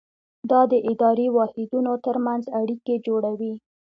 دا د اداري واحدونو ترمنځ اړیکې جوړوي.